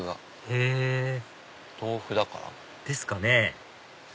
へぇ豆腐だから？ですかね？